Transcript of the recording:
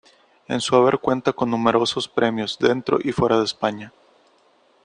En su haber cuenta con numerosos premios, dentro y fuera de España.